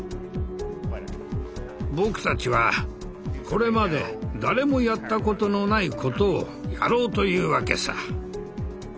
僕たちはこれまで誰もやったことのないことをやろうというわけさ。